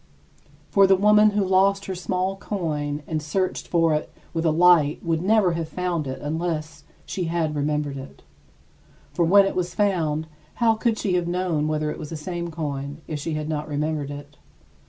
For the woman who lost her small coin and searched for it with a light would never have found it unless she had remembered it. For when it was found, how could she have known whether it was the same coin, if she had not remembered it?